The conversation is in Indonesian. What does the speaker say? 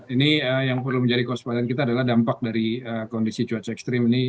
ini yang perlu menjadi kewaspadaan kita adalah dampak dari kondisi cuaca ekstrim ini